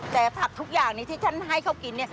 แต่ผักทุกอย่างนี้ที่ฉันให้เขากิน